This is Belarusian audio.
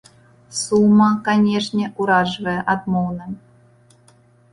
Сума, канешне, уражвае адмоўна.